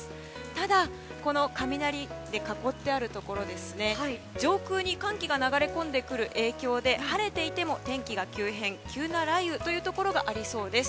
ただ、雷で囲ってあるところ上空に寒気が流れ込んでくる影響で晴れていても天気が急変急な雷雨というところがありそうです。